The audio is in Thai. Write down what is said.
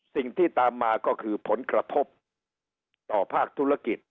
สิ่งที่ตามมาก็คือผลกระทบต่อภาคธุรกิจ